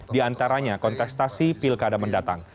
di antaranya kontestasi pilkada mendatang